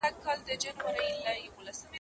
زه به سبا د سبا لپاره د درسونو يادونه وکړم!!